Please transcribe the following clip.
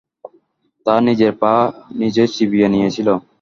তাই নিজের পা নিজেই চিবিয়ে নিয়েছিল।